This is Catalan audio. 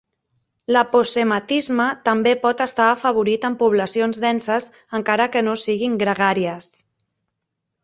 L'aposematisme també pot estar afavorit en poblacions denses encara que no siguin gregàries.